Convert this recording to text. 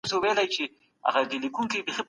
د وخت تېرېدنه څوک نه سي درولای.